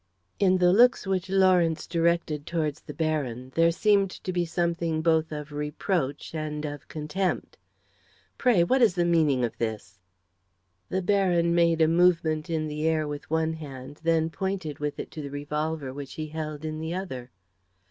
In the looks which Lawrence directed towards the Baron there seemed to be something both of reproach and of contempt. "Pray, what is the meaning of this?" The Baron made a movement in the air with one hand, then pointed with it to the revolver which he held in the other.